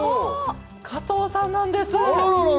加藤さんなんです。